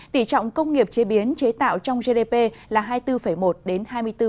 tỷ trọng công nghiệp chế biến chế tạo trong gdp là hai mươi bốn một đến hai mươi bốn